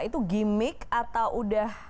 itu gimmick atau udah